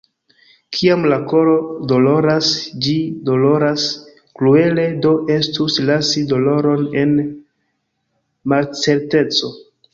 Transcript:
Kiam la koro doloras, ĝi doloras, kruele do estus lasi doloron en malcerteco.